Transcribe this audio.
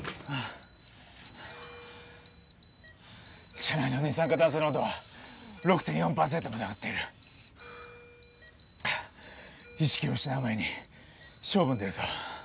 車内の二酸化炭素濃度は６．４％まで上がっている意識を失う前に勝負に出るぞ